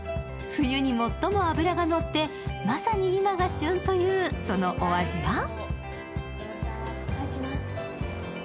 冬に最も脂がのって、まさに今が旬という、そのお味は？